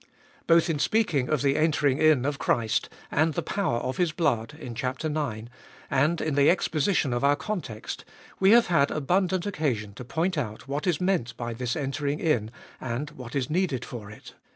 Both in speaking of the entering in of Christ, and the power of His blood in chap, ix., and in the exposition of our context, we have had abundant occasion to point out what is meant by this entering in, and what is needed for it.